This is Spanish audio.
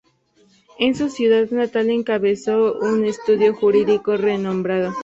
En su ciudad natal encabezó un estudio jurídico renombrado.